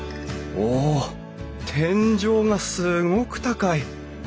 おお天井がすごく高い。